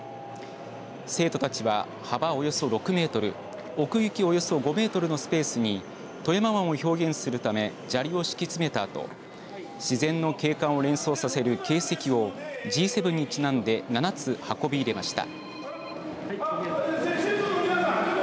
生徒たちは幅およそ６メートル奥行きおよそ５メートルのスペースに富山湾を表現するため砂利を敷き詰めたあと自然の景観を連想させる景石をＧ７にちなんで７つ運び入れました。